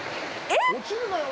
えっ！？